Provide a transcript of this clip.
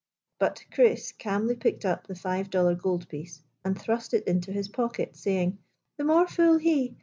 But Chris calmly picked up the five dollar goldpiece and thrust it into his pocket, saying :" The more fool he